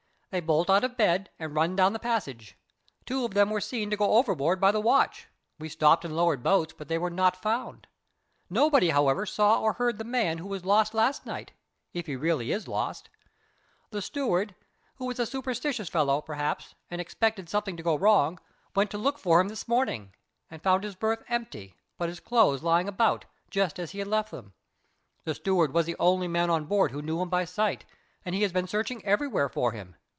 They bolt out of bed and run down the passage. Two of them were seen to go overboard by the watch; we stopped and lowered boats, but they were not found. Nobody, however, saw or heard the man who was lost last night if he is really lost. The steward, who is a superstitious fellow, perhaps, and expected something to go wrong, went to look for him this morning, and found his berth empty, but his clothes lying about, just as he had left them. The steward was the only man on board who knew him by sight, and he has been searching everywhere for him.